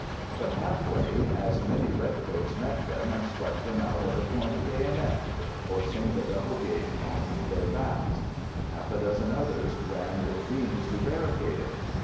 But, half way, as many red coats met them and swept them out at point of bayonet, forcing the double gate on their backs. Half a dozen others ran with beams to barricade it.